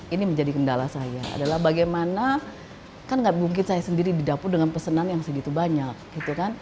ini menjadi kendala saya adalah bagaimana kan gak mungkin saya sendiri di dapur dengan pesenan yang segitu banyak